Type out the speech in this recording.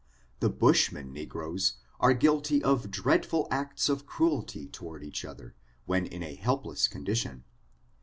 The bushman negroes are guilty of dreadful acts of cruelty toward each other, when in a helpless condition.